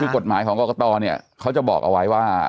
คือกฎหมายของกรกตเนี่ยเขาจะบอกเอาไว้ว่า